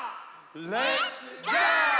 レッツゴー！